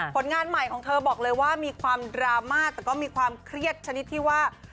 ผลงานใหม่ของเธอบอกเลยว่ามีความดราม่าแต่ก็มีความเครียดชนิดที่ว่า